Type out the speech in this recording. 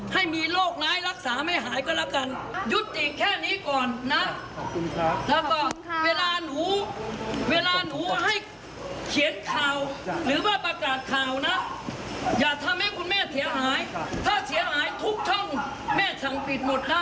ถ้าเสียหายทุกท่องแม่ช่างผิดหมดได้